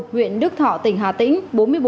huyện đức thọ tỉnh hà tĩnh